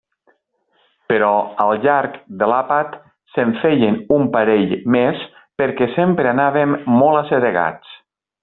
Però al llarg de l'àpat se'n feien un parell més perquè sempre anàvem molt assedegats.